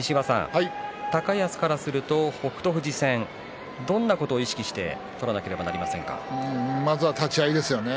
高安からすると北勝富士戦どんなことを意識してまずは立ち合いですよね。